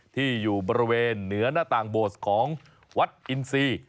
ที่อยู่บริเวณเหนือหน้าต่างโบสถ์ของวัดอินซี